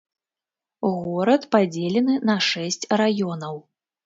Горад падзелены на шэсць раёнаў.